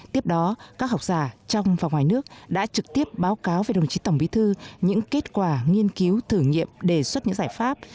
tiếp đó các học giả trong và ngoài nước đã trực tiếp báo cáo về đồng chí tổng bí thư những kết quả nghiên cứu thử nghiệm đề xuất những giải pháp